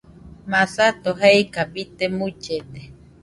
Masato jeika bite mullede.